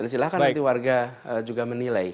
silahkan nanti warga juga menilai